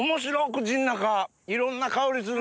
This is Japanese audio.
口ん中いろんな香りする。